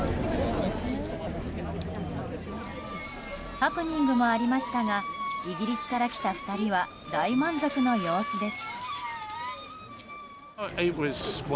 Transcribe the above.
ハプニングもありましたがイギリスから来た２人は大満足の様子です。